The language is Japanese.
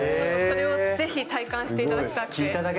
それをぜひ体感していただきたくて。